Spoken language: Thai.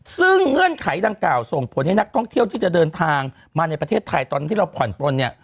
ซึ่งเงื่อนไขดังกล่าวส่งผลให้นักท่องเที่ยวที่จะเดินทางมาในประเทศไทยตอนที่เราผ่อนปลนเนี่ย